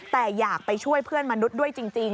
แต่อยากไปช่วยเพื่อนมนุษย์ด้วยจริง